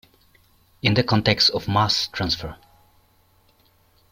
In the context of mass transfer.